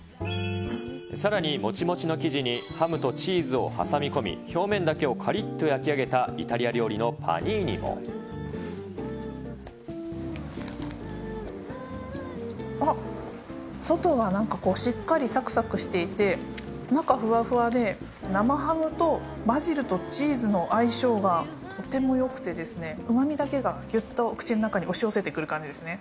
さらにもちもちの生地にハムとチーズを挟み込み、表面だけをかりっと焼き上げた、イタリア料あっ、外はなんかこうしっかりさくさくしていて、中ふわふわで、生ハムとバジルとチーズの相性がとてもよくてですね、うまみだけがぎゅっと口の中に押し寄せてくる感じですね。